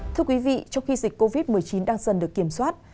thưa quý vị trong khi dịch covid một mươi chín đang dần được kiểm soát